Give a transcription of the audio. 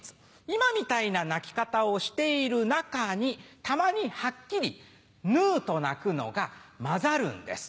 今みたいな鳴き方をしている中にたまにはっきりヌーと鳴くのが交ざるんです。